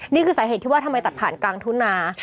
นี่คือสาเหตุที่ว่าทำไมตัดผ่านกลางทุ่งนา